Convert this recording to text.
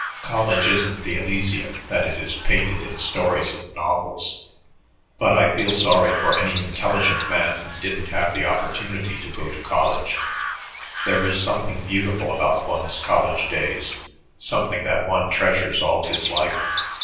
"College isn't the Elysium that it is painted in stories and novels, but I feel sorry for any intelligent man who didn't have the opportunity to go to college. There is something beautiful about one's college days, something that one treasures all his life.